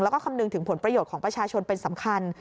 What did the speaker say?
แล้วก็คำนึงถึงผลประโยชน์ของประชาชนเป็นสำคัญ